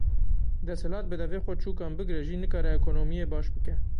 Desthilat bi devê xwe çûkan bigre jî nikare ekonomiyê baş bike.